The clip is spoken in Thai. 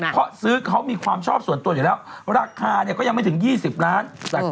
เพราะซื้อเขามีความชอบส่วนตัวอยู่แล้วราคาก็ยังไม่ถึง๒๐ล้าน